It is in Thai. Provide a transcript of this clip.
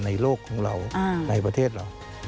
โลกของเราในประเทศเรา